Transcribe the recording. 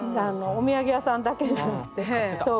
お土産屋さんだけじゃなくてそう。